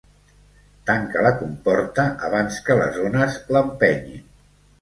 Tanca la comporta abans que les ones l'empenyin.